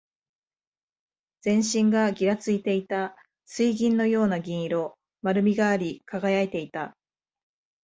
全身がぎらついていた。水銀のような銀色。丸みがあり、輝いていた。